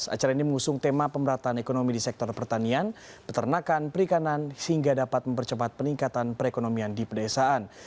acara ini mengusung tema pemerataan ekonomi di sektor pertanian peternakan perikanan hingga dapat mempercepat peningkatan perekonomian di pedesaan